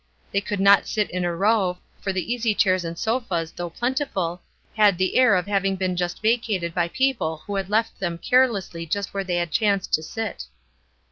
They could not sit in a row, for the easy chairs and sofas, though plentiful, had the air of having been just vacated by people who had left them carelessly just where they had chanced to sit.